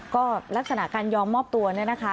ก็ลักษณะการยอมมอบตัวเนี่ยนะคะ